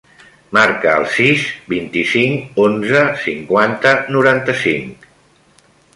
Marca el sis, vint-i-cinc, onze, cinquanta, noranta-cinc.